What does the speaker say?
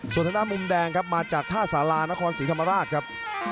ส่วนทางด้านมุมแดงครับมาจากท่าสารานครศรีธรรมราชครับ